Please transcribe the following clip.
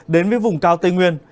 đến với vùng cao tây nguyên